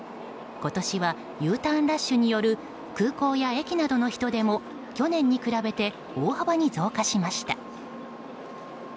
今年はＵターンラッシュによる空港や駅などの人出も去年に比べて大幅に増加しました。